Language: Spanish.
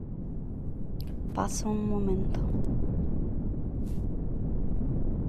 pasa un momento.